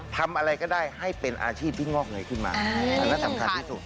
ทำอะไรก็ได้ให้เป็นอาชีพที่งอกเงยขึ้นมาอันนั้นสำคัญที่สุด